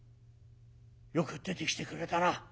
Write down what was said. よく出てきてくれたな。